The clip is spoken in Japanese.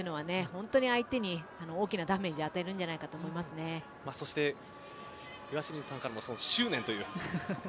本当に、相手に大きなダメージを与えるんじゃないかとそして岩清水さんからも執念という。